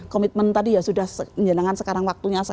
komitmen tadi ya sudah menyenangkan sekarang waktunya